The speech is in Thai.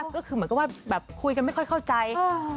ก็คือหมายถึงว่าคุยกันไม่ค่อยเข้าใจ